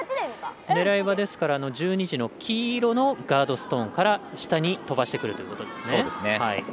狙いは１２時の黄色のガードストーンから、下に飛ばしてくるということですね。